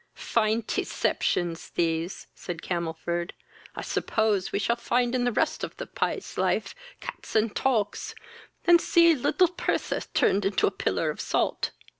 "Fine teceptions these! (said Camelford.) I suppose we shall find in the rest of the pies life cats and togs, and see little Pertha turned into a pillar of salt."